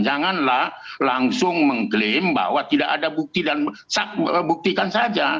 janganlah langsung mengklaim bahwa tidak ada bukti dan buktikan saja